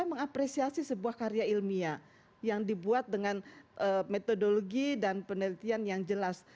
mengapresiasi sebuah karya ilmiah yang dibuat dengan metodologi dan penelitian yang jelas